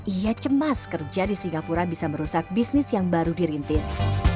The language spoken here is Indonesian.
ia cemas kerja di singapura bisa merusak bisnis yang baru dirintis